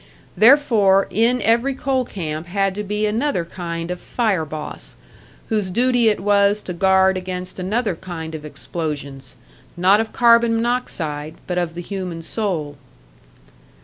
Therefore in every coal camp had to be another kind of "fire boss," whose duty it was to guard against another kind of explosions not of carbon monoxide, but of the human soul.